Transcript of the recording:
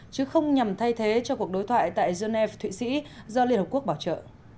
chứ không nhằm thay thế cho cuộc đối thoại tại geneva thụy sĩ do liên hợp quốc bảo trợ